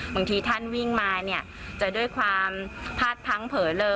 บางทีท่านวิ่งมาเนี่ยจะด้วยความพาดพังเผลอเลอ